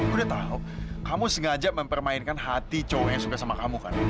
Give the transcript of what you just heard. udah tau kamu sengaja mempermainkan hati cowok yang suka sama kamu kan